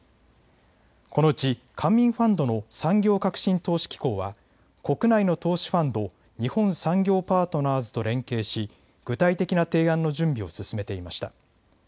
このうち官民ファンドの産業革新投資機構は国内の投資ファンド、日本産業パートナーズと連携し具体的な提案の準備を進めていました。